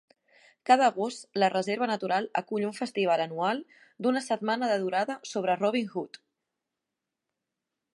Cada agost la reserva natural acull un festival anual d'una setmana de durada sobre Robin Hood.